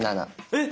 えっ！